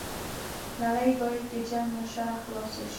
نړۍ بايد د جنګ له شره خلاصه شي